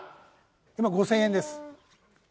今５０００円です。